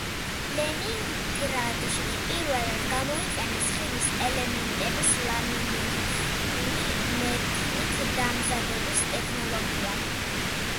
ლენინგრადში პირველად გამოიყენეს ხიდის ელემენტების ლამინირებული მერქნით დამზადების ტექნოლოგია.